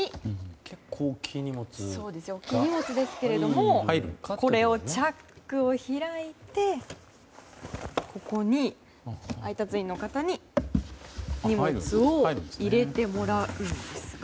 結構、大きい荷物ですけどもこれをチャックを開いてここに配達員の方に荷物を入れてもらうんです。